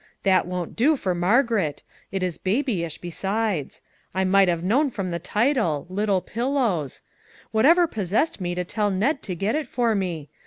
That won't do for Margaret. It is babyish, besides. I might have known that 21 MAG AND MARGARET from the title: 'Little Pillows!' Whatever possessed me to tell Ned to get it for me